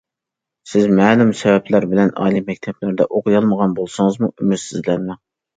سىز مەلۇم سەۋەبلەر بىلەن ئالىي مەكتەپلەردە ئوقۇيالمىغان بولسىڭىزمۇ ئۈمىدسىزلەنمەڭ.